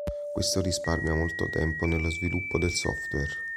Questo risparmia molto tempo nello sviluppo del software.